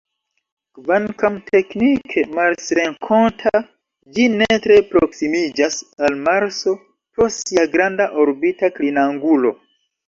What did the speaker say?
Kvankam teknike marsrenkonta, ĝi ne tre proksimiĝas al Marso pro sia granda orbita klinangulo.